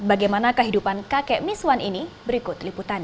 bagaimana kehidupan kakek miswan ini berikut liputannya